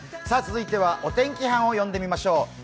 続いてはお天気班を読んでみましょう。